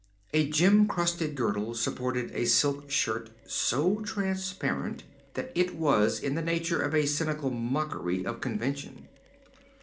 A gem crusted girdle supported a silk shirt so transparent that it was in the nature of a cynical mockery of convention.